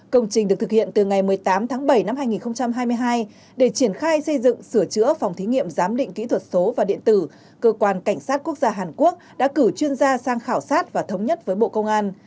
công trình được thực hiện từ ngày một mươi tám tháng bảy năm hai nghìn hai mươi hai để triển khai xây dựng sửa chữa phòng thí nghiệm giám định kỹ thuật số và điện tử cơ quan cảnh sát quốc gia hàn quốc đã cử chuyên gia sang khảo sát và thống nhất với bộ công an